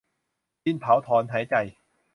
ดินเผาถอนหายใจ